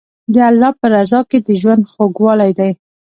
د الله په رضا کې د ژوند خوږوالی دی.